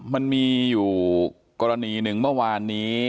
มันมีอยู่กรณีหนึ่งเมื่อวานนี้